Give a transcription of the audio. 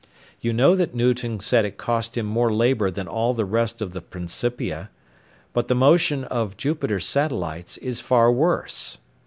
You know that Newton said it cost him more labour than all the rest of the Principia. But the motion of Jupiter's satellites is far worse.